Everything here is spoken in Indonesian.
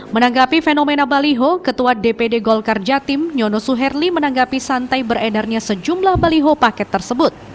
menanggapi fenomena baliho ketua dpd golkar jatim nyono suherli menanggapi santai beredarnya sejumlah baliho paket tersebut